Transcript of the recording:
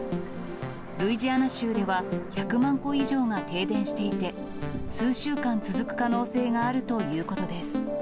ルイジアナ州では１００万戸以上が停電していて、数週間続く可能性があるということです。